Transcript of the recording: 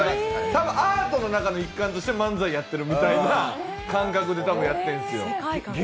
多分、アートの中の一環として漫才やってるみたいな感覚でやってるんですよ。